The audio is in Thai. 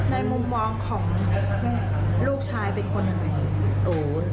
มุมมองของแม่ลูกชายเป็นคนยังไง